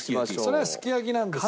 それはすき焼きなんですよ。